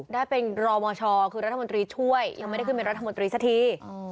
ได้เป็นรอมชคือรัฐมนตรีช่วยยังไม่ได้ขึ้นเป็นรัฐมนตรีสักที